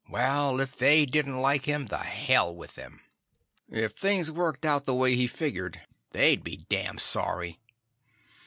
Well, if they didn't like him, the hell with them. If things worked out the way he figured, they'd be damned sorry.